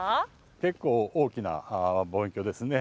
結構大きな望遠鏡ですね。